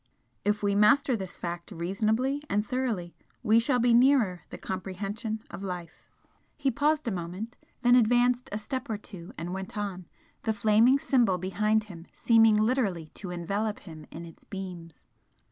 If we master this fact reasonably and thoroughly, we shall be nearer the comprehension of life." He paused a moment, then advanced a step or two and went on, the flaming Symbol behind him seeming literally to envelop him in its beams.